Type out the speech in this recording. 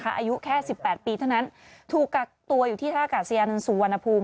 อายุแค่๑๘ปีเท่านั้นถูกกักตัวอยู่ที่ท่ากาศยานสุวรรณภูมิ